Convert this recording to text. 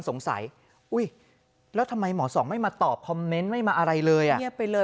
สงสัยแล้วทำไมหมอสองไม่มาตอบคอมเมนต์ไม่มาอะไรเลยไปเลย